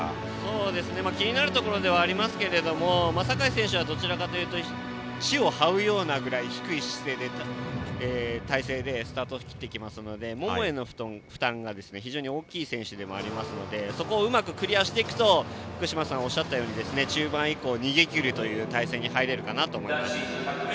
気になるところではありますが坂井選手はどちらかというと地をはうぐらい低い体勢でスタートを切っていきますのでももへの負担が非常に大きい選手でもありますのでそこをうまくクリアしていくと福島さんがおっしゃったように中盤以降逃げ切る態勢に入れるかなと思います。